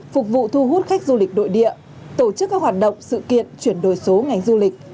phục vụ thu hút khách du lịch nội địa tổ chức các hoạt động sự kiện chuyển đổi số ngành du lịch